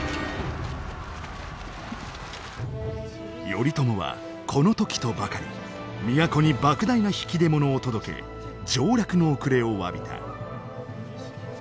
頼朝はこの時とばかり都に莫大な引き出物を届け上洛の遅れをわびた。